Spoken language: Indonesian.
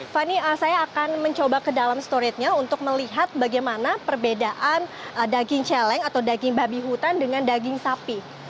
fani saya akan mencoba ke dalam storage nya untuk melihat bagaimana perbedaan daging celeng atau daging babi hutan dengan daging sapi